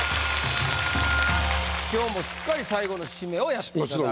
今日もしっかり最後の締めをやっていただくという。